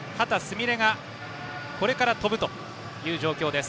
美鈴がこれから跳ぶという状況です。